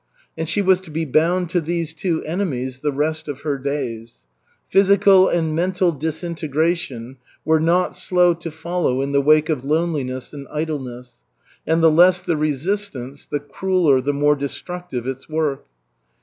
And she was to be bound to these two enemies the rest of her days. Physical and mental disintegration were not slow to follow in the wake of loneliness and idleness, and the less the resistance, the crueller, the more destructive its work.